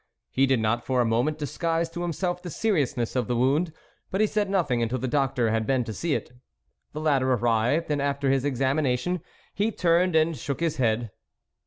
He did not for a moment disguise to himself the seriousness of the wound, but he said nothing until the doctor had been to see it. The latter arrived and after his examination, he turned and shook his head.